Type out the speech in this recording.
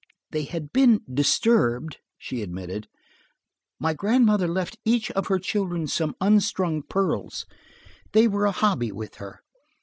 "They had been disturbed," she admitted. "My grandmother left each of her children some unstrung pearls. They were a hobby with her.